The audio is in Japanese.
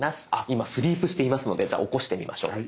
今スリープしていますのでじゃあ起こしてみましょう。